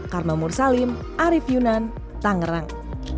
karma mursalim arief yunan tangerang